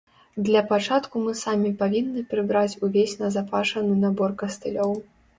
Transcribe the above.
Для пачатку мы самі павінны прыбраць увесь назапашаны набор кастылёў.